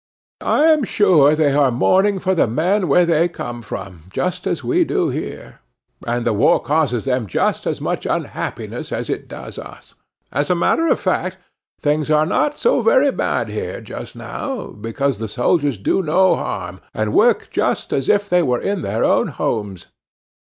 I am sure they are mourning for the men where they come from, just as we do here; and the war causes them just as much unhappiness as it does us. As a matter of fact, things are not so very bad here just now, because the soldiers do no harm, and work just as if they were in their own homes.